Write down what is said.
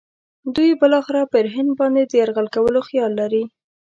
دوی بالاخره پر هند باندې د یرغل کولو خیال لري.